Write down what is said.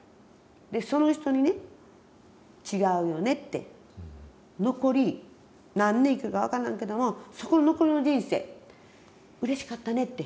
その人にね「違うよね」って。残り何年生きるか分からんけどもそこの残りの人生うれしかったねって。